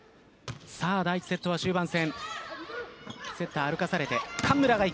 第１セットは終盤戦。